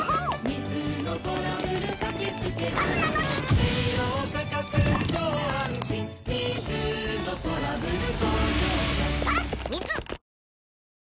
水のトラブル